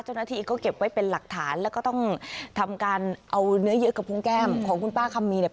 เจ้าหน้าที่ก็เก็บไว้เป็นหลักฐานแล้วก็ต้องทำการเอาเนื้อเยอะกระพุงแก้มของคุณป้าคำมีเนี่ย